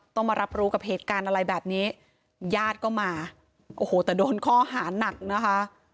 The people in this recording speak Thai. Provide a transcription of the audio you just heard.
ต้องมารับรู้กับเหตุการณ์อะไรแบบนี้ญาติก็มาโอ้โหแต่โดนข้อหานักนะคะ